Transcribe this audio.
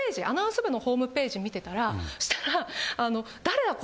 アナウンス部のホームページ見てたらそしたら。